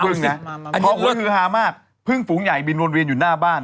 เพราะว่าฮือฮามากพึ่งฝูงใหญ่บินวนเวียนอยู่หน้าบ้าน